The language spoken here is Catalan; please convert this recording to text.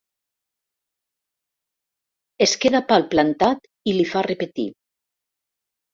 Es queda palplantat i li fa repetir.